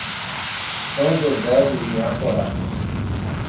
São José do Inhacorá